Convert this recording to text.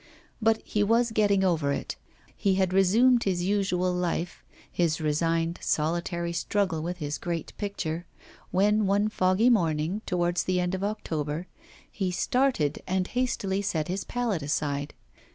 But he was getting over it, he had resumed his usual life, his resigned solitary struggle with his great picture, when one foggy morning, towards the end of October, he started and hastily set his palette aside.